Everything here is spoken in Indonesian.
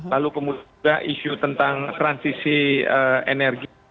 lalu kemudian juga isu tentang transisi energi